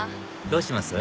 どうします？